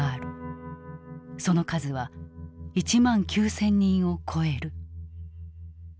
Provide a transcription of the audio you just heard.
その数は１万９，０００人を超える。